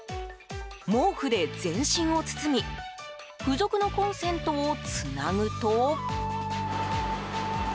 毛布で全身を包み付属のコンセントをつなぐと。